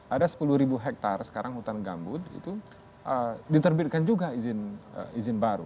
ada sepuluh ribu hektare sekarang hutan gambut itu diterbitkan juga izin baru